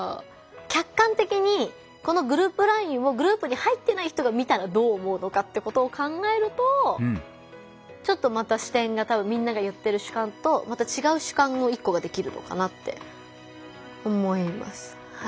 客観的にこのグループＬＩＮＥをグループに入ってない人が見たらどう思うのかってことを考えるとちょっとまた視点がみんなが言ってる主観とまた違う主観の一個ができるのかなって思います。